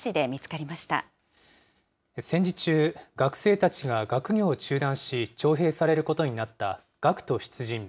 戦時中、学生たちが学業を中断し、徴兵されることになった学徒出陣。